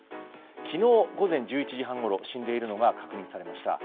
昨日午前１１時半ごろ死んでいるのが確認できました。